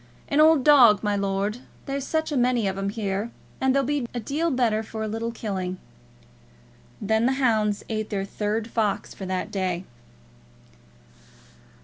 "An old dog, my lord. There's such a many of 'em here, that they'll be a deal better for a little killing." Then the hounds ate their third fox for that day.